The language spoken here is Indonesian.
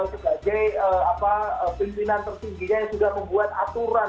sebagai pimpinan tertingginya yang sudah membuat aturan